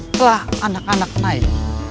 setelah anak anak naik